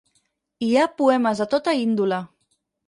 Hi ha poemes de tota índole.